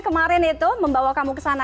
kemarin itu membawa kamu ke sana